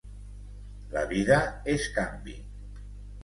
La vida és canvi.